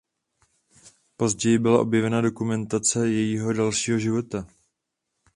Později byla objevena dokumentace jejího dalšího života.